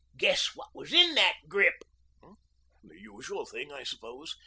Guess what was in that grip." "The usual thing, I suppose."